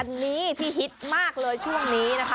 อันนี้ที่ฮิตมากเลยช่วงนี้นะคะ